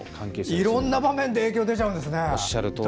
いろんな場面で影響出ちゃうんですね。